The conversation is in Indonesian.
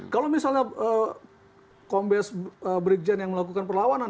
kalau misalnya kombes break gen yang melakukan perlawanan